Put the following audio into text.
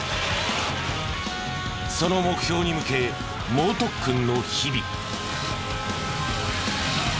その目標に向け猛特訓の日々。